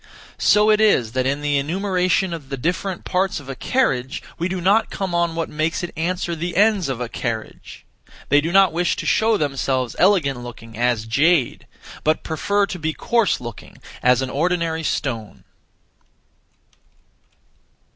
So it is that in the enumeration of the different parts of a carriage we do not come on what makes it answer the ends of a carriage. They do not wish to show themselves elegant looking as jade, but (prefer) to be coarse looking as an (ordinary) stone.